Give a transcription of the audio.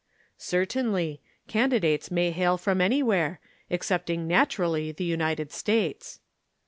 "Certainly. Candidates may hail from anywhere excepting naturally the United States.